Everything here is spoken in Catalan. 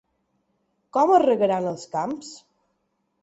Com es regaran els camps?